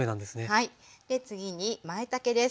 で次にまいたけです。